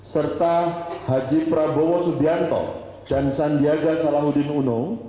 serta h p s dan s s u